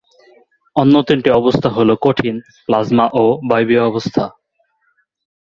অন্য তিনটি অবস্থা হল কঠিন, প্লাজমা, ও বায়বীয় অবস্থা।